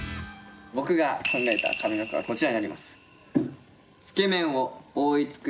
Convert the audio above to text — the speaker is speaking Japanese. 僕が考えた上の句はこちらになります。